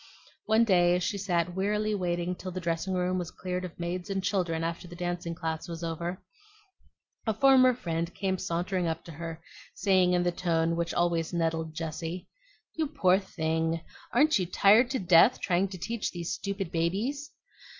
One day as she sat wearily waiting till the dressing room was cleared of maids and children after the dancing class was over, a former friend came sauntering up to her, saying In the tone which always nettled Jessie, "You poor thing! aren't you tired to death trying to teach these stupid babies?"